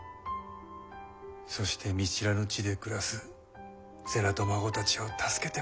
そして見知らぬ地で暮らす瀬名と孫たちを助けてまいろう。